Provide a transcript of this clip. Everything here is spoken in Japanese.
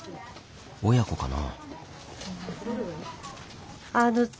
親子かな。